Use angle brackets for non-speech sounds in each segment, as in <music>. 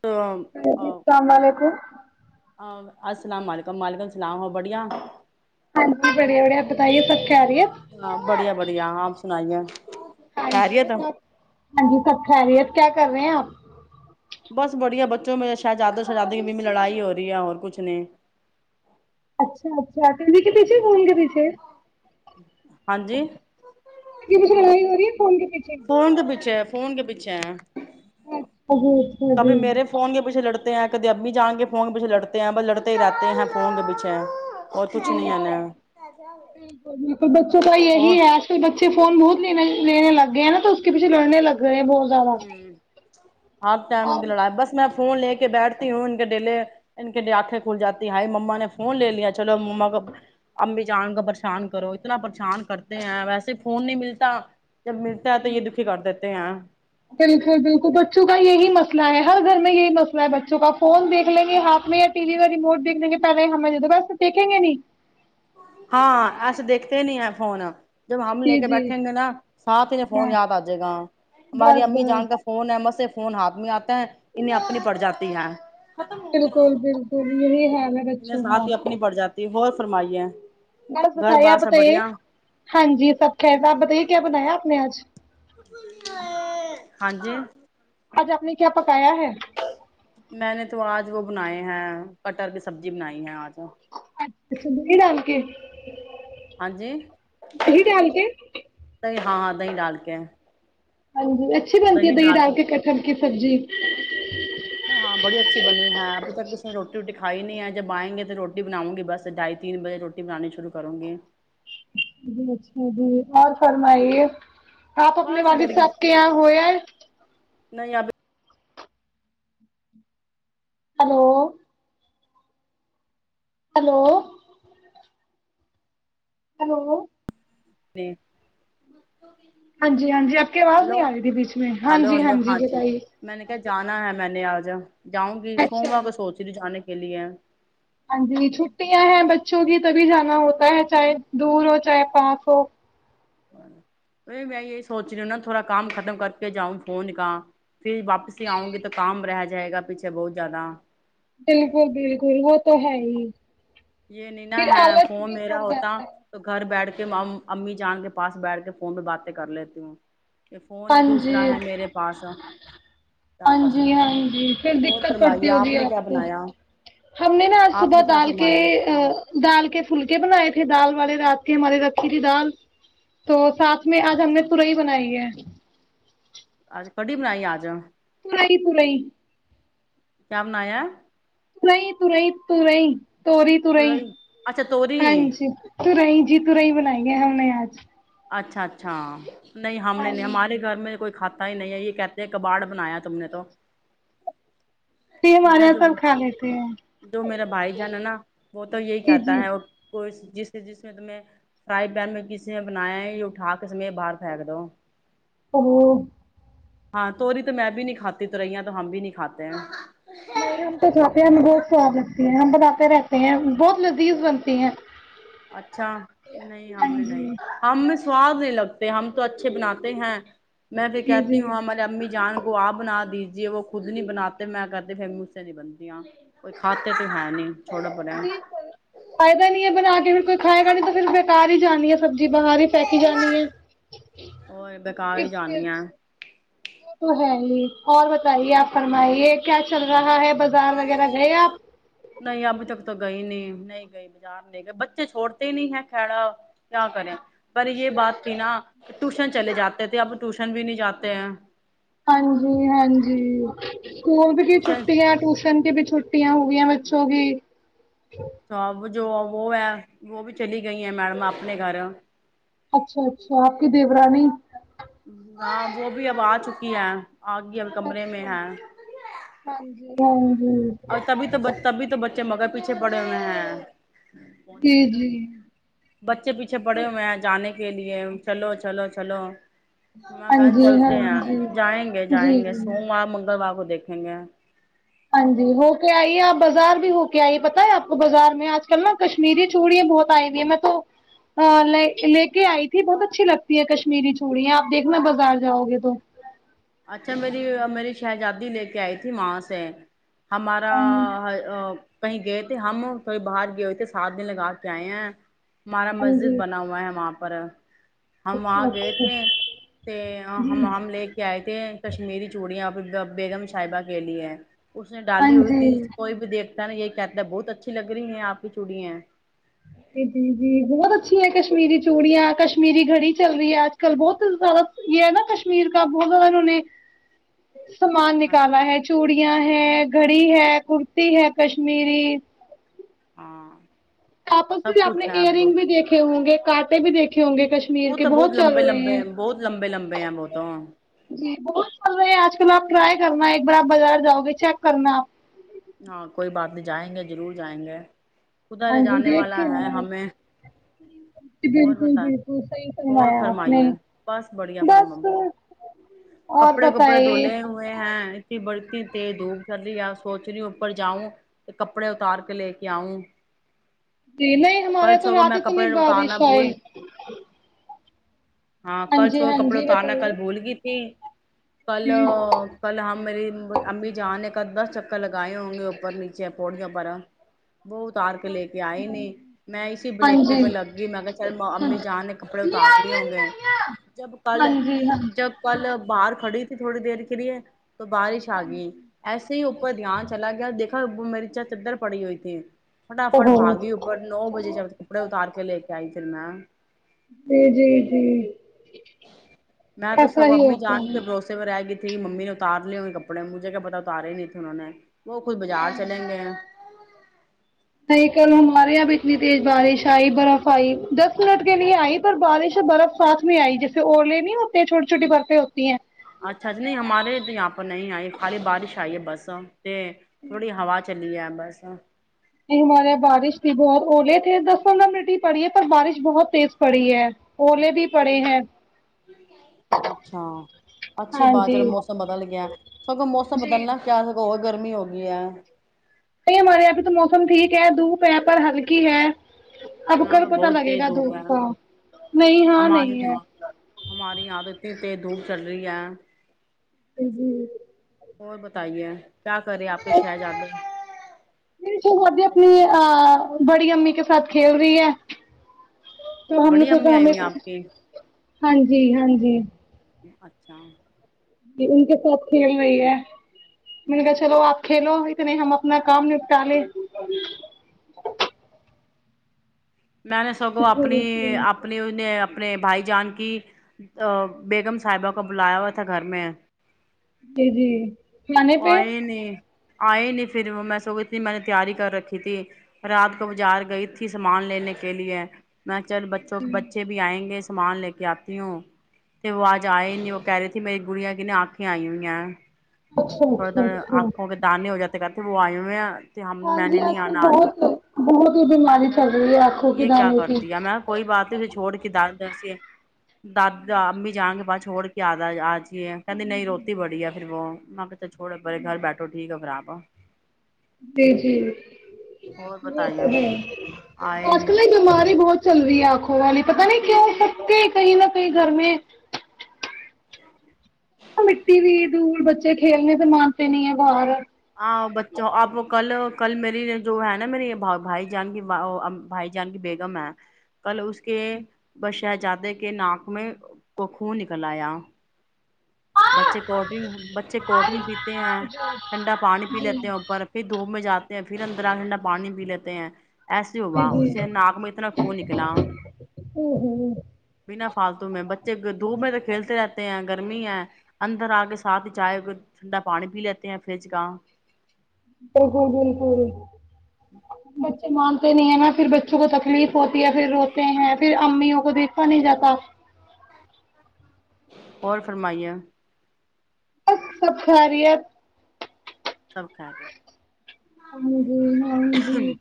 تو جی السلام علیکم السلام علیکم ملیکم سناؤ بڑیا ہاں جی بڑیا بڑیا بتائیے سکھےریت ہاں بڑھیا بڑھیا آپ سنائیے ہ ج خیریت ہاں ج سکھریت کیا کر رہے ہیں آپ بس بڑھیا بچوں میں شہزادوں شہزادی کی میں لڑائی ہو رہی ہے اور کچھ نہیں اچھا اچھا تو انیں کے پیچھے مون کے پیچھے ہاں جی ی فون کے پیچھے ہے فون کے پیچھے ہے اچھا جی اچھا جی کبھی میرے فون کے پیچھے لڑتے ہیں کد ابھی جان کے فون کے پیچے لڑتے ہیں بس لڑتے ہی رہتے ہیں فون کے پیچے جی جی بالکل بالکل بچوں کا یہی اور ہے آج کل بچے فون بہتنے لینے لگے گئے ن تو اس کے پچھے لڑنے لگا ہ آپ ٹائم کی لڑا بس میں فون لے کے بیٹھتی ہوں ان کے ڈیلے ان کے آنکھیں کھل جی ہائی مما نے فون لے لیا چلو ما کو ا بھی جان کو پریشان کرو اتنا پریشان کرتے ہیں ویسے فون نہیں ملتا جب ملتا ہے تو یہ دکھی کر دیتے ہیں بالکل بالکل بچوں کا یہی مسئلہ ہے ہر گھر میں یہی مسئلہ ہے بچوں کا فون دیکھ لیں گے ہاتھ میں یا ٹی وی میں ریموٹ دیکھ لیں گے پہلے ہمیں وس دیکھیں گے نہیں ہاں اس دیکھتے نہیں ہیں فونون جب ہم لے جی کے جی بیٹھیں گے نا ساتھ ہی فون بس یاد آ جائے گا ہماری بس امی جان بس کا فون ہے مس سے خون ہاتھ میں آتا ہیں انہیں اپنی پڑ جاتی ہے بالکل بالکل یہی حال ہے اچھا ہا فرمائی کیا بس بتے آپ بتائیے ہاں جی سب خیر تھا آپ بتائیے کیا بنایا آپ نے آج ہاں جی آج آپ نے کیا پکایا ہے ج وہ بنائے ہیں کٹر کی سبزی بنائی ہے آج تو اچھا دی ڈال گی ہاں جی ڈال کے ا ہاں ہاں ا د ہی ڈال کے ہاں جی اچھی بنتی ہے دہی ڈال کے کٹن کی سب جی نہیں ہاں بڑی اچھی بنی ہے ابھی تک روٹی روٹی کھائی نہیں ہے جب آئیں گے تو روٹی بناؤں گی بس ڈھائی تین بجے روٹی بنانی شرو کروں گ جی اچھا جی اور فرمائیے آپ اپنے بس والد بڑھیا صاحب کے یہاں ہو ار نہیں ابھی ہلو ہلو ہلو جی ہاں جی ہاں جی آب کے آواز نہیں آ رہی تھی بیچ میں ہاں ہلو جی ہاں ہلو جی بتائی میں نے کہا جانا ہے میں نے آج جؤں گی سوموار اچھا کا سوچی ج جانے کے لییا ہاں جی چھٹیاں ہیں بچوں کی تبھی جانا ہوتا ہے چاہے دور ہو چاہے پاس ہو نہیں میں یہ سوچ رہی ہوںا تھوڑا کام ختم کر کے جاؤں فونکا پھر واپس ہی آؤ گ تو کام رہ ج جائے گا پیچھے بہت زیادہ بالکل بالکل وہ تو ہے ہی یہ نہیں نا پھر ہے آلس فون بھی میرا پڑ ہوتا جاتا ہے تو گھر بیٹھ کے امی چاند کے پاس بیٹھ کے فون پہ باتیں کر لیتی ہوں یہ فون ہاں ہی جی دوسرا ہے میرے پاس کیا ہاں کر جی سکتے ہاں ہیں جی پھر اور دقت پڑتی فرمائیے ہوگی نے کیا آپ کو بنایا ہم نے نا آج آپ صبح نے کیا ڈال کے فرمایا دال کے پھلکے بنائے تھے دال والے رات کے ہمارے رکھی تھی دال تو ساتھ میں آج ہم نے اچھا ترئی بنائی ہے آج کڑی بناائی آ جؤ پوری پوری کیا بنایا رہی ت رہی ت رہی تریی تورئی اچھا توری ہاں جی تورئی جی تورئی بنائی ہے ہم نے اچھا اچھا اچھا نہیں ہم نے ہاں نہیں ہمارے گھر میں کوئی کھ ہی نہیں یہ کہتے ہیں کباڑ بنایا تم نے تو پ ہمارے یہاں سر کھا لیتی ہیں بائی جان ہے نا وہ تو یہی جی کہتا جی ہے اور کو جس سے جس میں تمہیں فرائی پین میں کسی نے بنایا ہے یہ اٹھا کے سم باہر پھینک دو ا <unintelligible> ہاں توری تو میں بھی نہیں کھاتی توریا تو ہم بھی نہیں کھاتے ہیں نہیں ہم تو کھاتے ہیں ہمیں بہت سواد لگتی ہے ہم بتاتے رہتے ہیں بہت لذیذ بنتی ہیں اچھا نہیں ہاں ہم نے جی نہیں ہم نے سواد نہیں لگتے ہم تو اچھے بناتے ہیں میں بھی جی کہتی جی ہوں ہماراری امی جان گ آپ بنا دیجیے وہ خود نہیں بناتے میں کہتے پھر اس سے نہیں بنتییا کوئی کھاتے تو ہے نہیں چھوڑو پرے جی فائدہ نہیں ہے بنا کے پھر کوئی کھائے گا نہیں تو پھر بےکار ہی جانی ہے سبزی باہر ہی پھیکی جانی ہے اور بیکار ہی اس جانی ہے وہ تو ہے ہی اور بتائیے آپ فرمائیے کیا چل رہا ہے بازار وغیرہ گئے آپ نہیں ابھی تک تو گئی نہیں نہیں گئی بازار نہیں گئے بچے چھوڑتے ہی نہیں ہے خڑا کیا کریں پر یہ بات تھی نا ٹیوشن چلے جاتے تھے اب ٹیوشن بھی نہیں جاتے ہیں ہاں جی ہاں جی اسکول بھی کی ٹیوشن چھٹییا ٹیوشن بھی چھو چھٹیاں ہو گئی ہیں بچوں کی سب <inaudible> جو وہ ہے وہ بھی چلی گئی ہیں میڈم اپنے گھر اچھا اچھا آپ کی دیورانی ہاں وہ بھی اب آ چکی ہے آگی اب کمرے میں اچھا ہے ہ جی ہاں ہ پچھ مگر پیچھے پڑے ہوئے ہیں جی جی بچے پیچھے پڑے ہو میں جانے کے لیے چلو چلو چلو ماں ہاں کہاں جی ہاں چلتے ہیں جی جائیں گے جی جائیں گے سوموار منگلوار کو دیکھیں گے ہاں جی ہو کے آئی آپ بازار بھی ہو کے آئی پت ہے آپ کو بازار میں آج کل نا کشمیری چوڑیاں بہت آئی ہوئی ہیں میں تو ل لے کے آئی تھی بہت اچھی لگتی ہے کشمیری چوڑی آپ دیکھنا بازار جاؤ گے تو اچھا میری میری شہزادی لے کے آئی تھی وہاں سے ہمارا ہاں کہیں گئے تھے ہم تھئی باہر گئے ہوئے تھے سات دن لگا کے آئے ہیں ہمارا ہاں مسجد جی بنا ہوا ہے وہاں پہ پر ہم وہاں اچھا گئے اچھا تھے جی ہم ہم لے کے کیا آتے ہیں کشمیری چوڑیاں آپ بیگم صاحبہ کے لیے ہے اس نے ہاں ڈالی ہوئی تھی جی کوئی بھی دیکھ نا یہ کہتا ہے بہت اچھی لگ رہی ہیں آپ کی چوڑیں جی جی جی بہت اچھی کشمیری چوڑیاں کشمیری گھڑی چل رہی ہے آج کل بہت زیادہ یہ ہے نا کشمیر کا بہت زیادہ انہوں نے سامان نکالا ہے چوڑیا ہے گھڑی ہے کرتی ہے کشمیری ہاں آپس میں بھی سب اپنے کچھ ہے ایئر اب رنگ بھی وہ دیکھے ہوں گے کانٹے بھی دیکھے ہوں گے کشمیر کے تو بہت چل لمبے رہے لمبے ہیں بہت لمبے لمبے ہیں وہ تو جی بہت چل رہے ہیں آج کل تول آپ ٹرائی کرنا ایک بار آپ بازار جاؤ گے چیک کرنا آپ ہاں کوئی بات نہیں جائیں گے ضرور جائیں گے ہاں ادھر جی جانے دیکھ والا کے ہے آنا۔ ہمیں جی ہو بالکل بت بالکل صحیح ہو فرمایا آپ نے فرمائیے بس بڑیا فرم بس اور کپڑے کپڑے بتائیے دھوولے ہوئے ہیں اتنی ب اتنی تز دھوپ چل رہی ہے پتری اوپر جاؤں تو کپڑے اتار کے لے کے آؤں جی نہیں ہمارے کل یہاں تو سو رات میں تو کپڑے نہیں با رہی اتارنا بھول شاید ہاں کل سو کپڑے اتارنا کل بھول گئی تھی کل جی کل ہم میری امی جہ نے کدا چپ لگائے ہوں گے اوپر نیچے پڑیاں برا وہ اتار کے لے کے آئی نہیں میں اسی ہاں بلیھے جی پہ لگ گئی میں کہ چل ہاں امی جان نے کپڑے لے اتار رہے آئیے ہوں لے گے آئیے جب کل ہاں جی ہاں جب کل باہر کھڑی تھوڑی دیر کے لیے تو بارش آ گئی ایسے ہی کہاں چلا گیا دیکھا وہ میری چا چدر پڑی ہوئی تھی فٹافٹ اوہو باگی اپر نو بجے ج کپڑے اتار کے لےتے جائچرناا جی جی جی ایسا ہی ہوتا ہے پھرری ممی نے اتار لیے ہونے کپڑے مجھے کیا پتا اتارے نہیںے سان وہ خود بازار جی چلیں گے نہیں کل ہمارے یہاں پ اتنی تیز بارش آئی برف ہائی دس منٹ کے لیے آئی پر بارش ہے برف ساتھ میں آئی جیسے الے نہیں ہوتے ہیں چھوٹی چھوٹی برفیں ہوتی ہیں اچھا اچا نہیں ہمارے تو یہاں پر نہیں آئے خالی بارش آئی ہے بس کہ تھوڑی ہا چلی ہے بیسا نہیں ہمارے یہاں بارش تھی بہت اولے تھے دس پندرہ منٹ ہی پڑی ہے پر بارش بہت تیز پڑی ہے الے بھی پڑے ہیں اچھا اچھی ہاں بات جی چل موسم بدل گیا سگو موسم جی بدلنا کیا سگ گرمی ہوگئی ہے نہیں ہمارے یہاںبھی تو موسم ٹھیک ہے دھوپ ہے پر ہلکی ہے اب یہاں پہ کل پتا بہت لگے تیز گا دھوپ ہے کا نہیں ہاں ہمارے نہیں ہے یہاں ہمارے یہاں تو اتنی تیز دھوپ چل رہی ہے <inaudible> اور بتائیے کیا کر رہے ہیں آپ کے شہزادے میری شہزادی اپنی بڑی امی کے ساتھ کھیل رہی ہے تو ہم نے بڑی امی سوچا آئی ہمیں ہوئی ہیں آپ کی ہاں جی ہاں جی اچھا ج ان کے ساتھ کھیل رہی ہے میں نے کہا چلو آپ کھیلو اتنے ہم اپنا کام نپٹالے میں نے سگوں اپنی اپنی اپنے بھائی جان کی بیگم صاحبہ کو بلایا ہوا تھا گھر میں جی جی کھانے پہ آئے نے آئی نہیں پھر میں سو اتنی میں نے تیاری کر رکھی تھی رات کو بازار گئی تھی سامان لینے کے لیے میں چل بچوں کے بچے بھی آئیں گے سامان لے کے آتی ہو تو وہ آج آئے نہیں وہ کہہ رہی تھی میری گڑیاں کن آکھیں آئی ہوئی ہیں اچھا تھوڑا اچھا تھوڑا اچھا آنکھوں کے دانے ہو جاتے کرتے بوائی میں ہاں جی نے آج نہیں کل آنا بہت بہت ہی میں بیماری کہ چل رہی ہے آنکھوں کے یہ کیا دانے کر کی دیا میں کوئی بات نہیں پھر چھوڑ کے دان جے داد امی جایں گ بعس چھوڑ کے آدا آج جی کہی نہیں روتی بڑی ہے پھر وہ م پتا چھوڑے بے گھر بیٹھو ٹھیک ہے خراب ہو جی جی اور وہ بتائیے تو آئے نہیں <unintelligible> چل رہی ہے آنکھوں والی پتا نہیں کیوں ہو سکتے کہیں نہ کہیں گھر میں وہ مٹی بھی دور بچے کھیلنے سے مانتے نہیں ہے باہر ہاں بچوں آپ کل کل میری جو ہے نا میری بھائی جان کی بھائی جان کی بیگم ہے کل اس کے بش شہزادے کے ناک میں کو خون نکل آیا بچے کو ڈرن بچے کول ڈرنک پیتے ہیں ٹھنڈا پانی پی لیتے ہیں اوپر پھر دھوپ میں جاتے پھر اندرٹھنڈا پانی پی لیتے ہیں ایسی ہوا جی جی اس سے ناک میں اتنا خن نکلا بنا فالتو میں بچے دھوپ میں تو کھیلتے رہتے ہیں گرمی ہے اندر آ کے ساتھ ہی چائے ہو کے ٹھنڈا پانی پی لیتے ہیں فریج کا <unintelligible> <unintelligible> مانتے نہیں ہیں نا پھر بچوں کو تکلیف ہوتی ہے پھر روتے ہیں پھر امیوں کو دیکھا نہیں جاتا اور فرمائییا بس سب خریت سب کھا گے ہاں جی ہاں جی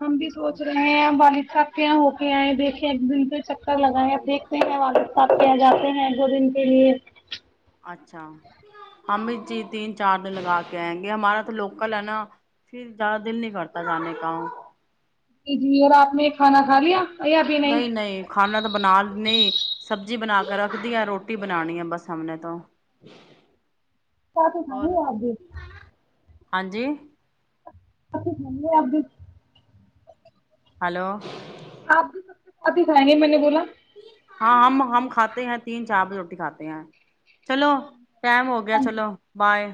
ہم بھی سوچ رہے ہیں بال سکیا ہو آئے دیکھے ایک دن سے چکر لگاائے ا دیکھتے ہیں وال سپ کیا جاتے ہیں دو دن کے لیے اچھا ہم اس چیز تین چار دن لگا کے آئیں گے ہمارا تو لوکل ہے نا پھر زیادہ دل نہیں کرتا جانے کا ج جی اور آپ نے کھانا کھا لیا یا ابھی نہیں نہیں کھانا تو بنا نہیں سب جی بنا کے رکھ دی ہے روٹی بنانی ہے بس سمنے تو کیا تو س اور ہے آ بھی ہاں جی <unintelligible> ہلو آپ بھی سب سے سات ہی کھائیں گے میں نے بولا ہاں ہم ہم کھاتے ہیں تین چار بے روٹی کھاتے ہیں چلو ٹائم ہو گیا چلو بائے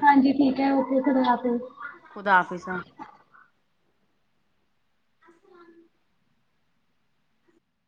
<unintelligible> خدا آفظا